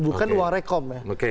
bukan uang rekom ya